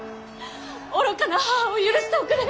愚かな母を許しておくれ。